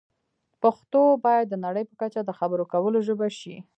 پښتو باید د نړۍ په کچه د خبرو کولو ژبه شي.